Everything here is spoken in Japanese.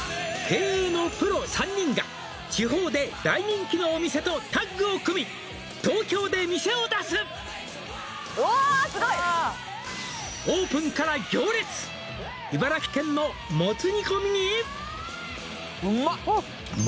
「経営のプロ３人が」「地方で大人気のお店とタッグを組み」「東京で店を出す」おすごい！「オープンから行列」「茨城県のもつ煮込みに」